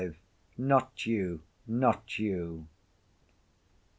Not You, Not You!